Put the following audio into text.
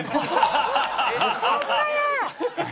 ホンマや！